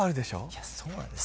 いやそうなんです